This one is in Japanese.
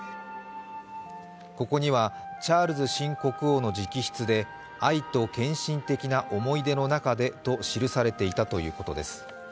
ここにはチャールズ新国王の直筆で「愛と献身的な思い出の中で」と記されていたということです。